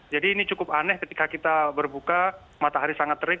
jadi ini cukup aneh ketika kita berbuka matahari sangat terik